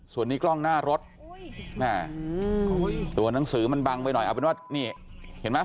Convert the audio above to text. ส่วนนี้กล้องหน้ารถแม่ตัวหนังสือมันบังไปหน่อยเอาเป็นว่านี่เห็นไหม